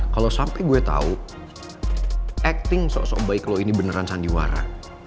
kalau sampai gue tau acting sok sok baik lo ini beneran sandiwara